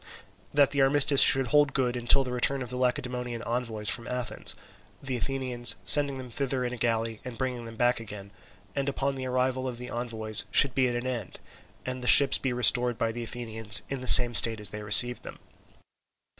That the armistice should hold good until the return of the Lacedaemonian envoys from Athens—the Athenians sending them thither in a galley and bringing them back again—and upon the arrival of the envoys should be at an end, and the ships be restored by the Athenians in the same state as they received them.